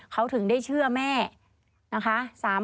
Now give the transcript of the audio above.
เขาถึงได้เชื่อแม่นะคะ